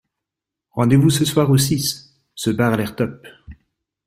Rendez-vous ce soir au Six, ce bar a l'air top.